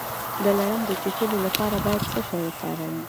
د لړم د چیچلو لپاره باید څه شی وکاروم؟